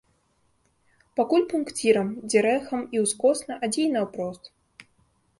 Пакуль пункцірам, дзе рэхам і ўскосна, а дзе і наўпрост.